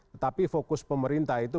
tetapi fokus pemerintah itu